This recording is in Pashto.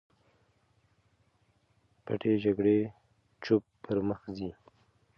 پټې جګړې چوپ پر مخ ځي.